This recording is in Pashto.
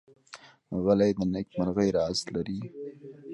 غلی، د نېکمرغۍ راز لري.